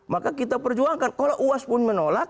maka kita perjuangkan kalau uas pun menolak